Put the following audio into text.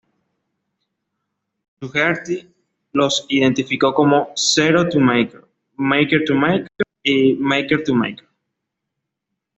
Dougherty los identificó como "zero-to-maker, maker-to-maker," y "maker-to-market.